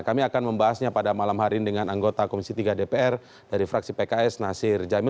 kami akan membahasnya pada malam hari ini dengan anggota komisi tiga dpr dari fraksi pks nasir jamil